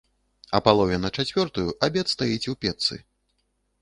А палове на чацвёртую абед стаіць у печцы.